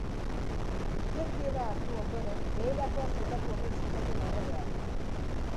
Kefirra hartu ondoren beherakoa sendatu omen zitzaion erregeari.